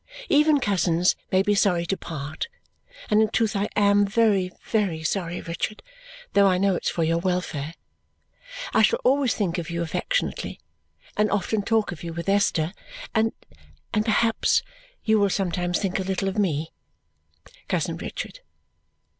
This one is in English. Even cousins may be sorry to part; and in truth I am very, very sorry, Richard, though I know it's for your welfare. I shall always think of you affectionately, and often talk of you with Esther, and and perhaps you will sometimes think a little of me, cousin Richard.